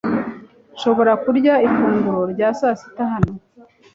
nshobora kurya ifunguro rya sasita hano